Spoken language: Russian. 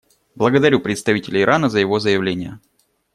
Благодарю представителя Ирана за его заявление.